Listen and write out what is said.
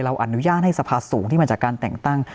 อนุญาตให้สภาสูงที่มาจากการแต่งตั้ง